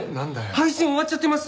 配信終わっちゃってます。